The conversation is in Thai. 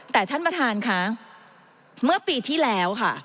แต่ท่านประธานค่ะเมื่อปีที่แล้วค่ะ